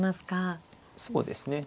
そうですね。